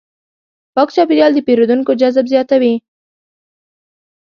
پاک چاپېریال د پیرودونکو جذب زیاتوي.